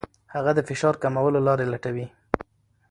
هغه د فشار کمولو لارې لټوي.